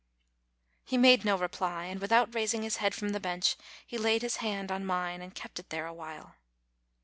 He made no reply, and without raising his head from the bench he laid his hand on mine and kept it there a while.